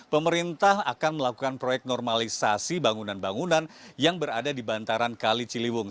pemerintah akan melakukan proyek normalisasi bangunan bangunan yang berada di bantaran kali ciliwung